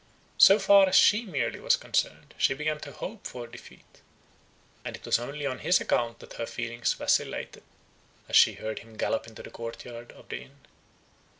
So far as she merely was concerned, she began to hope for defeat; and it was only on his account that her feelings vacillated, as she heard him gallop into the court yard of the inn.